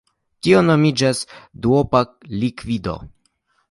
Tio nomiĝas "duopa likvido".